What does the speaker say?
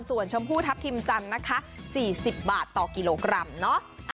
ส่วนชมพู่ทัพทิมจันทร์นะคะ๔๐บาทต่อกิโลกรัมเนอะ